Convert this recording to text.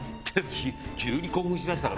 急に興奮しだしたな。